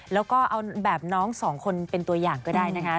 แล้วก็เอาแบบน้องสองคนเป็นตัวอย่างก็ได้นะคะ